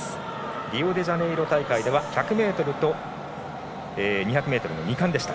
リオデジャネイロ大会では１００ｍと２００ｍの２冠でした。